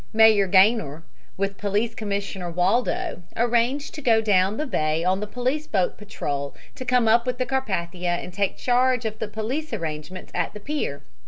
Mayor Gaynor, with Police Commissioner Waldo, arranged to go down the bay on the police boat Patrol, to come up with the Carpathia and take charge of the police arrangements at the pier.